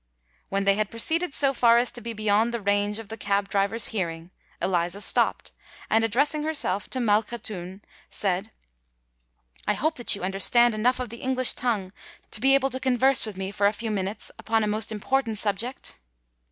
When they had proceeded so far as to be beyond the range of the cab driver's hearing, Eliza stopped, and, addressing herself to Malkhatoun, said, "I hope that you understand enough of the English tongue to be able to converse with me for a few minutes upon a most important subject?"